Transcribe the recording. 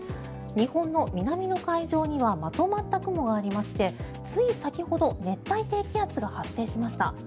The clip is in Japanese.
日本の南の海上にはまとまった雲がありましてつい先ほど熱帯低気圧が発生しました。